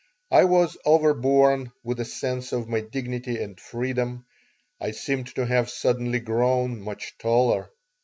I was overborne with a sense of my dignity and freedom. I seemed to have suddenly grown much taller.